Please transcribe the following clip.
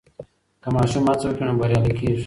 که ماشوم هڅه وکړي نو بریالی کېږي.